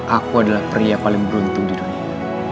aku adalah pria paling beruntung di dunia